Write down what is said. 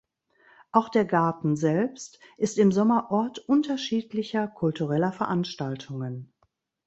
Auch der Garten selbst ist im Sommer Ort unterschiedlicher kultureller Veranstaltungen.